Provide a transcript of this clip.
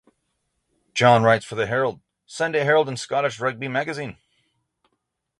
John writes for The Herald, Sunday Herald and Scottish Rugby Magazine.